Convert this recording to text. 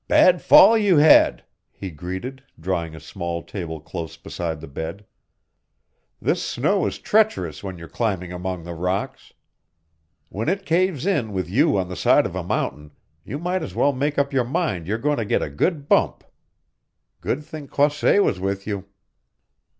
"Bad fall you had," he greeted, drawing a small table close beside the bed. "This snow is treacherous when you're climbing among the rocks. When it caves in with you on the side of a mountain you might as well make up your mind you're going to get a good bump. Good thing Croisset was with you!"